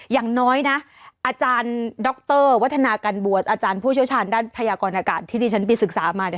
อย่างน้อยนะอาจารย์ดรวัฒนาการบวชอาจารย์ผู้เชี่ยวชาญด้านพยากรอากาศที่ที่ฉันไปศึกษามาเนี่ย